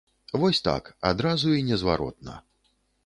Вось так, адразу і незваротна.